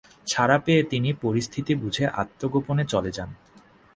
ছাড়া পেয়ে তিনি পরিস্থিতি বুঝে আত্মগোপনে চলে যান।